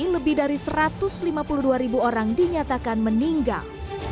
lebih dari satu ratus lima puluh dua ribu orang dinyatakan meninggal